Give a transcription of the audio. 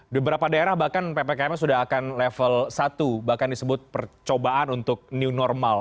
di beberapa daerah bahkan ppkm sudah akan level satu bahkan disebut percobaan untuk new normal